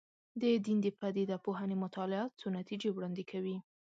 د دین د پدیده پوهنې مطالعات څو نتیجې وړاندې کوي.